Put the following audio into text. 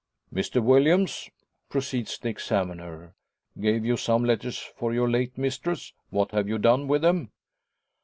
"Mr Williams," proceeds the examiner, "gave you some letters for your late mistress. What have you done with them?"